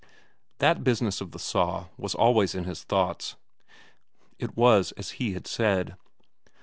That business of the saw was always in his thoughts; it was as he had said.